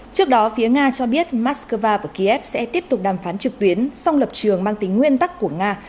trước đó phía nga cho biết moscow và kiev sẽ tiếp tục đàm phán trực tuyến song lập trường mang tính nguyên tắc của nga